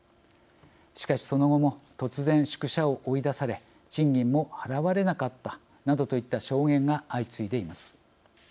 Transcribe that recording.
しかし、その後も突然、宿舎を追い出され賃金も払われなかったなどといった証言が相次いでいます。